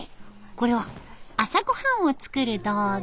これは朝御飯を作る道具。